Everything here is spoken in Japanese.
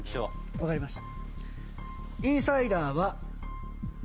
分かりました。